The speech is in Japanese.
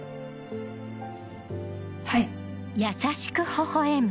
はい。